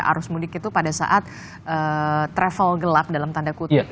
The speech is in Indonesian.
arus mudik itu pada saat travel gelap dalam tanda kutip